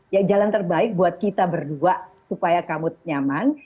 ya jalan terbaik buat kita berdua supaya kamu nyaman